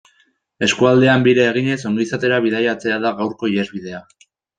Eskualdean bira eginez ongizatera bidaiatzea da gaurko ihesbidea.